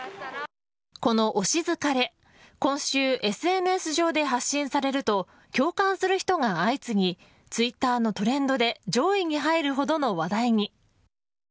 この推し疲れ、今週ＳＮＳ上で発信されると共感する人が相次ぎツイッターのトレンドで上位に入るほどの話題に。